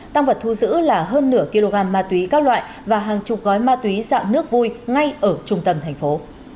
tăng vật thu giữ là hơn nửa kg ma túy các loại và hàng chục gói ma túy dạng nước vui ngay ở trung tâm thành phố